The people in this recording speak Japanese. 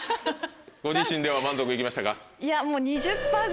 ご自身では満足行きましたか？